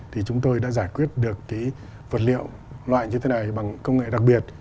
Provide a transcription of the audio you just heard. thì chúng tôi đã giải quyết được cái vật liệu loại như thế này bằng công nghệ đặc biệt